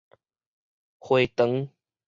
迴腸